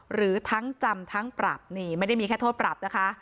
หรือทั้งจำทั้งปรับนี่ไม่ได้มีแค่โทษปรับนะคะ